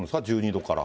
１２度から。